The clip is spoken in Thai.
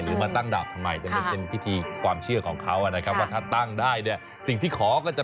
มาตั้งดาบทำไมแต่มันเป็นพิธีความเชื่อของเขานะครับว่าถ้าตั้งได้เนี่ยสิ่งที่ขอก็จะ